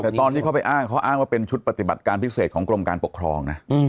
แต่ตอนที่เขาไปอ้างเขาอ้างว่าเป็นชุดปฏิบัติการพิเศษของกรมการปกครองนะ